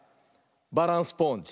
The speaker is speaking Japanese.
「バランスポーンジ」。